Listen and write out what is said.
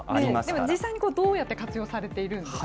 でも実際にどうやって活用されているんですか。